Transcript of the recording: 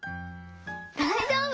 だいじょうぶ！